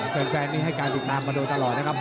แฟนนี้ให้การติดตามมาโดยตลอดนะครับ